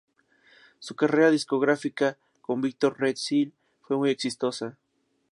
Su carrera discográfica con Victor Red Seal fue muy exitosa.